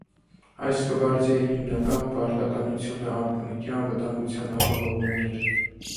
Այս գվարդիայի հիմնական պարտականությունը արքունիքի անվտանգության ապահովումն էր։